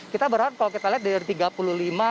kita berharap kalau kita lihat dari tiga puluh lima